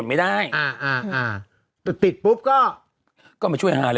มันต้องระยาบ